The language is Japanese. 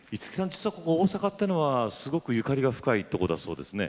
実はここ大阪っていうのはすごくゆかりが深いとこだそうですね。